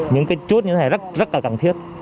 những chốt như thế này rất là cần thiết